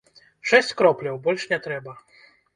Шэсць кропляў, больш не трэба.